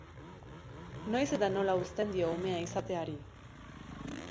Noiz eta nola uzten dio umea izateari?